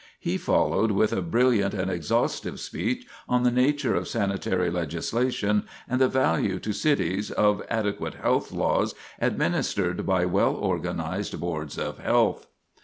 He followed with a brilliant and exhaustive speech on the nature of sanitary legislation and the value to cities of adequate health laws administered by well organized boards of health.